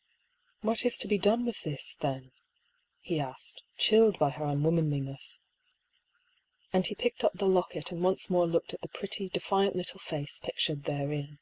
" What is to be done with this, then ?" he asked, chilled by her unwomanliness. And he picked up the locket and once more looked at the pretty, defiant little face pictured therein.